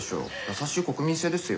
優しい国民性ですよ？